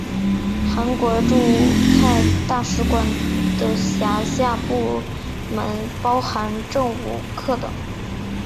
韩国驻泰大使馆的辖下部门包含政务课等。